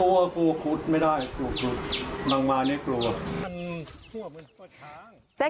เออกลัวกลัวครุฑไม่ได้กลัวครุฑนางไม้นี่กลัว